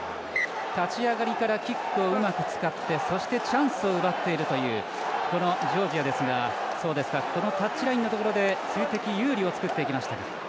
立ち上がりからキックをうまく使ってチャンスを奪っているというこのジョージアですがこのタッチラインのところで数的有利を作っていきました。